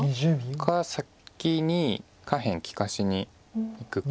か先に下辺利かしにいくか。